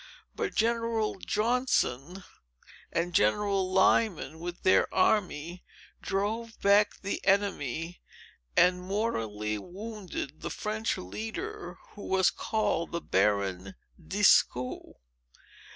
But General Johnson and General Lyman, with their army, drove back the enemy, and mortally wounded the French leader, who was called the Baron Dieskau.